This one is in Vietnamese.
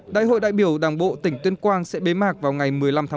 đại hội đại biểu đảng bộ tỉnh tuyên quang sẽ bế mạc vào ngày một mươi năm tháng một mươi